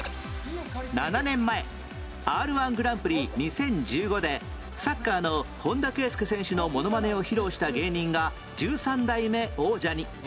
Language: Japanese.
７年前 Ｒ−１ ぐらんぷり２０１５でサッカーの本田圭佑選手のモノマネを披露した芸人が１３代目王者に